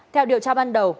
theo điều tra ban đầu